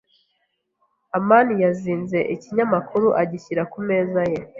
amani yazinze ikinyamakuru agishyira ku meza ye.